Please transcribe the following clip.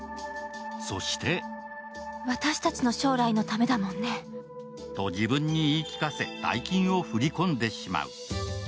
そして自分に言い聞かせ、大金を振り込んでしまう。